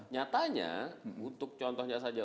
nyatanya untuk contohnya saja